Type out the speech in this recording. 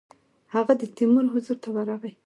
هغه د تیمور حضور ته ورغی.